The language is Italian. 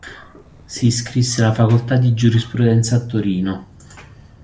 Si iscrisse alla facoltà di giurisprudenza a Torino.